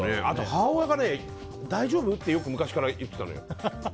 あと、母親が大丈夫？って昔からよく言ってたのよ。